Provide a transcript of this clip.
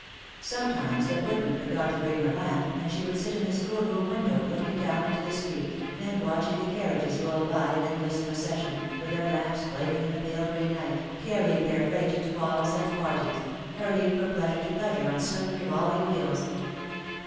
Sometimes the footman forgot to bring her lamp, and she would sit in the schoolroom window, looking down into the Btreet, and watching the carriages roll by in endless procession, with their lamps flaming in the pale gray night, carrying their freight to balls and parties, hurrying from pleasure to pleasuro on swif t revolving wheels.